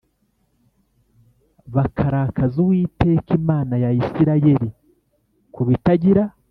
bakarakaza Uwiteka Imana ya Isirayeli ku bitagira